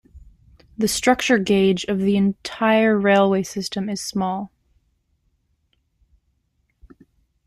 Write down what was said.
The structure gauge of the Eritrean Railway is small.